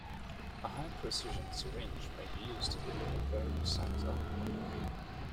A high-precision syringe may be used to deliver very precise aliquots.